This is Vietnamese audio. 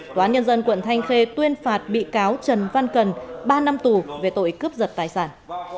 tòa án nhân dân quận thanh khê tuyên phạt bị cáo trần văn cần ba năm tù về tội cướp giật tài sản